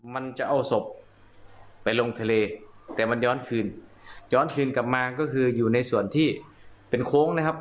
มันจะเอาศพไปลงทะเลแต่มันย้อนคืนย้อนคืนกลับมาก็คืออยู่ในส่วนที่เป็นโค้งนะครับ